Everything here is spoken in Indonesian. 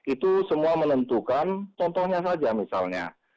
itu semua menentukan contohnya saja misalnya